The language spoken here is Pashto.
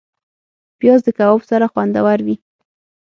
پیاز د کباب سره خوندور وي